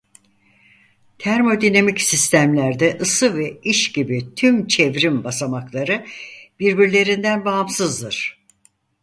Termodinamik sistemlerde ısı ve iş gibi tüm çevrim basamakları birbirlerinden bağımsızdır.